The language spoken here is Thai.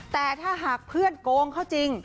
แต่ถ้าหากเพื่อนโกงเขาจริง